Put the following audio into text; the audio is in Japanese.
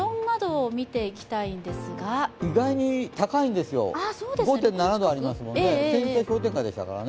意外に高いんですよ、５．７度ありますもんね、先日は氷点下でしたから。